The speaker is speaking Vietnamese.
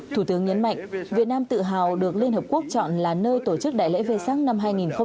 thủ tướng nhấn mạnh việt nam tự hào được liên hợp quốc chọn là nơi tổ chức đại lễ vê sắc năm hai nghìn một mươi chín